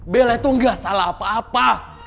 bella itu gak salah apa apa